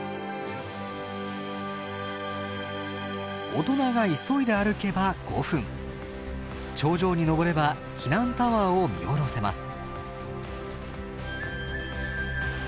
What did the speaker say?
大人が急いで歩けば５分頂上に登れば避難タワーを見下ろせます。